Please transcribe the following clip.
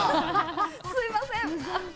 すみません。